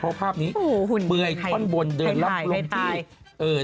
เพราะภาพนี้เบื่อยค่อนบนเดินลับลงที่